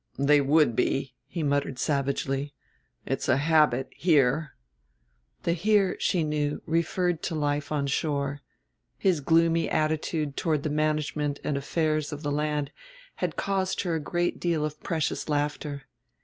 "They would be," he muttered savagely. "It's a habit ... here." The "here," she knew, referred to life on shore; his gloomy attitude toward the management and affairs of the land had caused her a great deal of precious laughter.